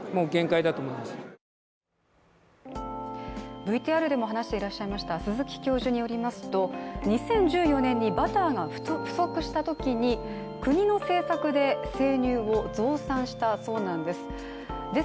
ＶＴＲでも話していらっしゃいました鈴木教授によりますと２０１４年にバターが不足したときに国の生産でバターを増産したそうなんです。